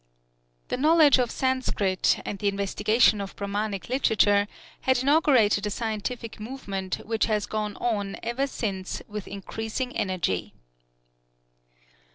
The knowledge of Sanskrit, and the investigation of Brahmanic literature, had inaugurated a scientific movement which has gone on ever since with increasing energy.